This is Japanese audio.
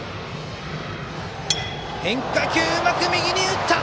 変化球をうまく右に打った！